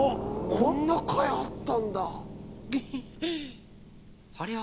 こんな回、あったんだ。